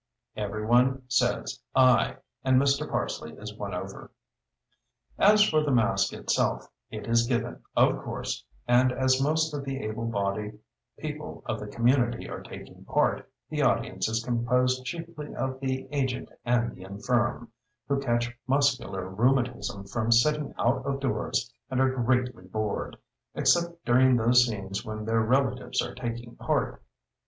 Every one says "Aye" and Mr. Parsleigh is won over. As for the masque itself, it is given, of course; and as most of the able bodied people of the community are taking part, the audience is composed chiefly of the aged and the infirm, who catch muscular rheumatism from sitting out of doors and are greatly bored, except during those scenes when their relatives are taking part.